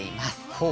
ほう。